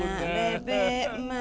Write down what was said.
udah udah bella